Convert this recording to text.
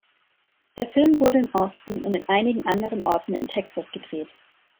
Der Film wurde in Austin und in einigen anderen Orten in Texas gedreht.